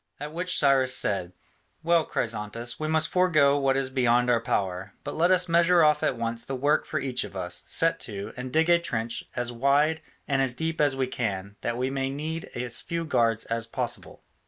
At which Cyrus said, "Well, Chrysantas, we must forego what is beyond our power: but let us measure off at once the work for each of us, set to, and dig a trench as wide and as deep as we can, that we may need as few guards as possible."